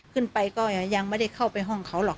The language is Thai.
ขึ้นไปก็ยังไม่ได้เข้าไปห้องเขาหรอก